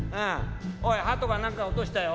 「おいハトが何か落としたよ」。